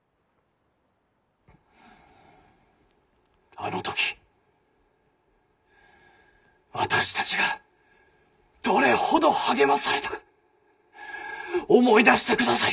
「あの時私たちがどれほど励まされたか思い出してください」。